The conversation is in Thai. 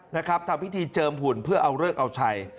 ทำพิธีเจิมหุ่นเพื่อเอาเลิกเอาชัย